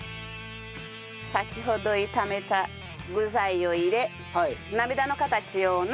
先ほど炒めた具材を入れ涙の形のような。